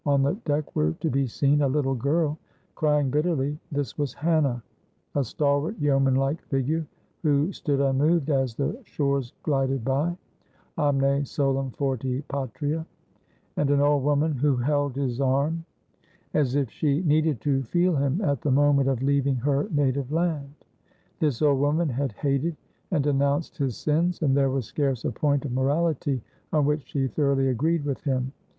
On the deck were to be seen a little girl crying bitterly this was Hannah a stalwart, yeoman like figure, who stood unmoved as the shores glided by, Omne solum forti patria, and an old woman who held his arm as if she needed to feel him at the moment of leaving her native land. This old woman had hated and denounced his sins, and there was scarce a point of morality on which she thoroughly agreed with him.